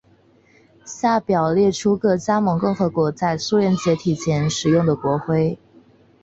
下表列出各加盟共和国在苏联解体前所使用的国徽。